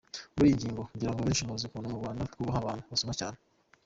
Kuri iyi ngingo, ngirango benshi muzi ukuntu mu Rwanda twubaha abantu basoma cyane.